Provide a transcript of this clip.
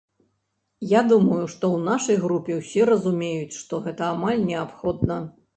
Я думаю, што ў нашай групе ўсе разумеюць, што гэта амаль неабходна.